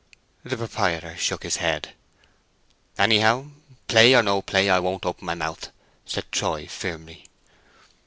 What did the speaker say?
The proprietor shook his head. "Anyhow, play or no play, I won't open my mouth," said Troy, firmly.